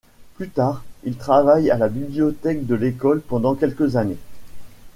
Plus tard, il travaille à la bibliothèque de l'école pendant quelques années.